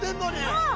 うん！